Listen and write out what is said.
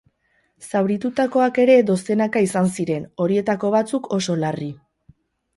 Zauritutakoak ere dozenaka izan ziren, horietako batzuk oso larri.